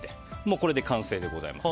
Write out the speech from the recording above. これで完成でございます。